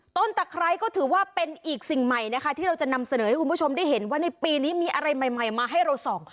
ตะไคร้ก็ถือว่าเป็นอีกสิ่งใหม่นะคะที่เราจะนำเสนอให้คุณผู้ชมได้เห็นว่าในปีนี้มีอะไรใหม่มาให้เราส่อง